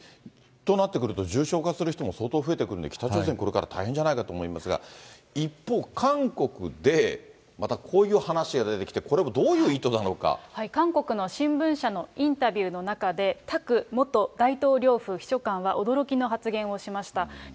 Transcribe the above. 相当増えてくると、北朝鮮、これから大変じゃないかと思いますが、一方、韓国でまたこういう話が出てきて、これもどういう意図なの韓国の新聞社のインタビューの中で、タク元大統領府秘書官は驚きの発言をしました。